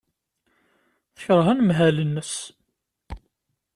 Tekṛeh anemhal-nnes.